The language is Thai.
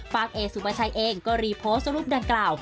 เอสุปชัยเองก็รีโพสต์รูปดังกล่าว